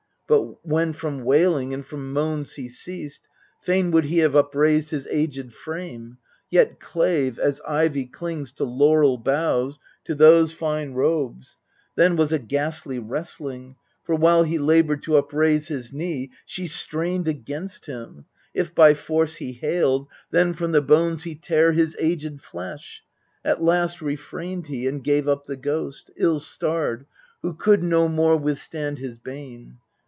" But, when from wailing and from moans he ceased, Fain would he have upraised his aged frame, Yet clave, as ivy clings to laurel boughs, To those fine robes : then was a ghastly wrestling : For, while he laboured to upraise his knee, She strained against him : if by force he haled, Then from the bones he tare his aged flesh. At last refrained he, and gave up the ghost, Ill starred, who could no more withstand his bane.